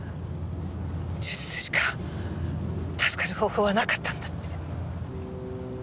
手術しか助かる方法はなかったんだって。